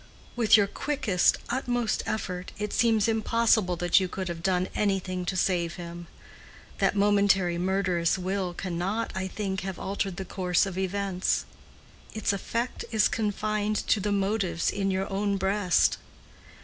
With your quickest, utmost effort, it seems impossible that you could have done anything to save him. That momentary murderous will cannot, I think, have altered the course of events. Its effect is confined to the motives in your own breast.